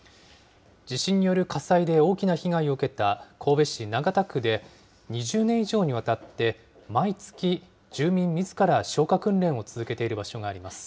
地震による火災で大きな被害を受けた神戸市長田区で、２０年以上にわたって、毎月、住民みずから消火訓練を続けている場所があります。